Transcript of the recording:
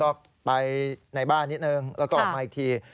ก็ไปในบ้านนิดนึงแล้วก็ออกมาอีกที